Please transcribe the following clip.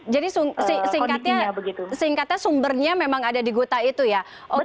jadi singkatnya sumbernya memang ada di gota itu ya